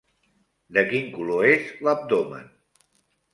De quin color és l'abdomen?